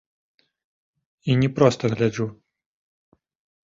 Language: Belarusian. І не проста гляджу.